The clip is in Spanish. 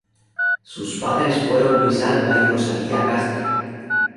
Sus padres fueron Luis Alva y Rosalía Castro.